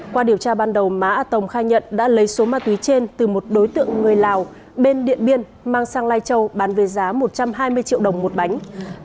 qua điều tra ban đầu má a tồng khai nhận đã lấy số ma túy trên từ một đối tượng người lào bên điện biên mang sang lai châu bán với giá một trăm hai mươi triệu đồng một bánh